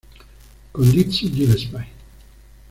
Con Dizzy Gillespie